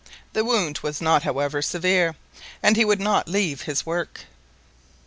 The wound was not however severe, and he would not leave his work.